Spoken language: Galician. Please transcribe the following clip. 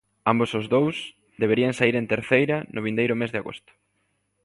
Ambos os dous deberían saír en Terceira no vindeiro mes de agosto.